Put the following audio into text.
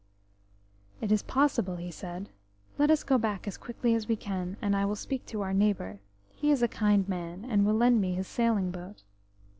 "It is possible," he said. "Let us go back as quickly as we can, and I will speak to our neighbour. He is a kind man, and will lend me his sailing boat."